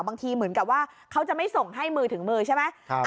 เหมือนกับว่าเขาจะไม่ส่งให้มือถึงมือใช่ไหม